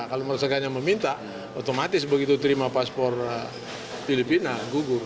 kalau merasakannya meminta otomatis begitu terima paspor filipina gugur